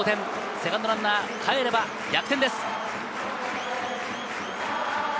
セカンドランナーかえれば逆転です。